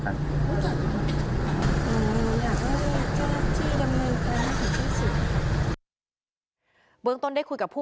เพราะว่าพ่อมีสองอารมณ์ความรู้สึกดีใจที่เจอพ่อแล้ว